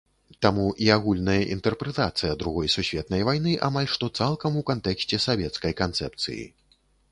Таму і агульная інтэрпрэтацыя другой сусветнай вайны амаль што цалкам у кантэксце савецкай канцэпцыі.